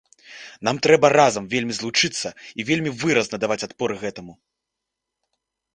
Нам трэба разам вельмі злучыцца і вельмі выразна даваць адпор гэтаму.